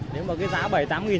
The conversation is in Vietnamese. nếu mà cái giá bảy tám nghìn